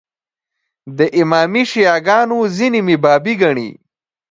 د امامي شیعه ګانو ځینې مې بابي ګڼي.